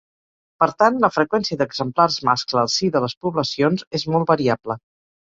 Per tant, la freqüència d'exemplars mascle al si de les poblacions és molt variable.